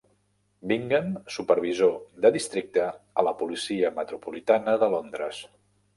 Bingham, exsupervisor de districte a la policia metropolitana de Londres.